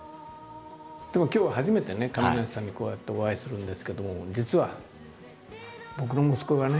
でも今日は初めてね亀梨さんにこうやってお会いするんですけども実は僕の息子がね